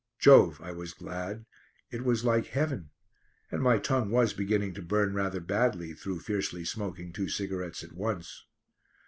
Jove! I was glad. It was like heaven; and my tongue was beginning to burn rather badly through fiercely smoking two cigarettes at once.